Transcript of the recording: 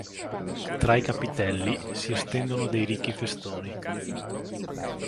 Tra i capitelli si estendono dei ricchi festoni.